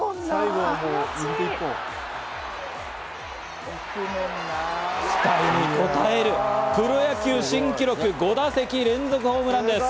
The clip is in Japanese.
期待にこたえるプロ野球新記録、５打席連続ホームランです。